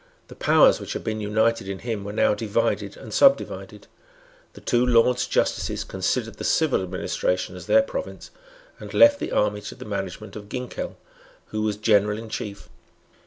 The powers which had been united in him were now divided and subdivided. The two Lords justices considered the civil administration as their province, and left the army to the management of Ginkell, who was General in Chief.